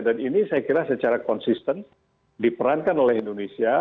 dan ini saya kira secara konsisten diperankan oleh indonesia